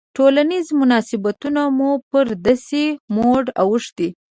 ټولنیز مناسبتونه مو پر داسې موډ اوښتي.